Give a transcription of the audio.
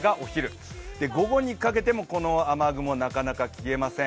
午後にかけてもこの雨雲、なかなか消えません。